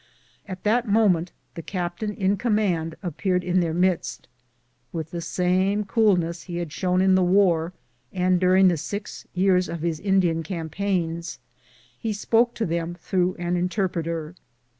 At that moment the captain in command appeared in their midst. With the same cool ness he had shown in the war and during the six years of his Indian campaigns, he spoke to them, through an interpreter.